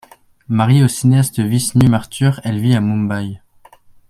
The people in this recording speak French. Mariée au cinéaste Vishnu Mathur, elle vit à Mumbai.